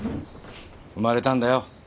生まれたんだよ。